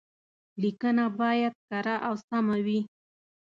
ليکنه بايد کره او سمه وي.